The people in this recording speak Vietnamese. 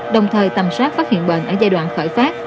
đồng thời tầm soát phát hiện bệnh ở giai đoạn khởi phát